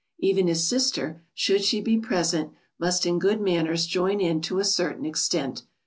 Even his sister, should she be present, must in good manners join in to a certain extent.